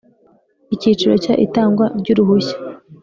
Icyiciro cya Itangwa ry uruhushya